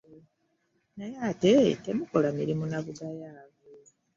Naye ate temukola mirimu na bugayaavu.